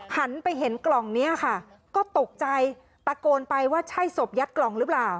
หันไปเห็นกล่องนี้ค่ะก็ตกใจตะโกนไปว่าใช่ศพยัดกล่องหรือเปล่า